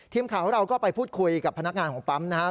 ทีมข่าวของเราก็ไปพูดคุยกับพนักงานของปั๊มนะครับ